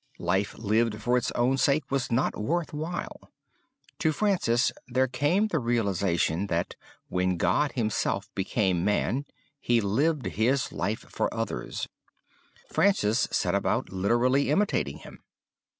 Life lived for its own sake was not worth while. To Francis there came the realization that when God Himself became man he lived his life for others. Francis set about literally imitating him.